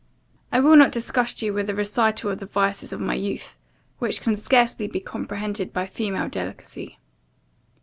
I will not disgust you with a recital of the vices of my youth, which can scarcely be comprehended by female delicacy.